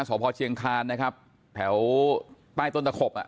สพเชียงคานนะครับแถวใต้ต้นตะขบอ่ะ